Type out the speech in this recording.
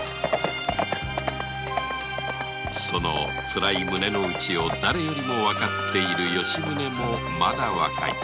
つらい胸のうちをだれよりもわかっている吉宗もまだ若い